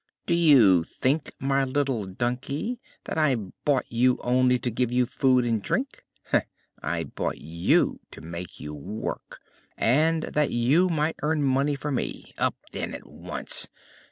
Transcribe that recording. "Do you think, my little donkey, that I bought you only to give you food and drink? I bought you to make you work, and that you might earn money for me. Up, then, at once!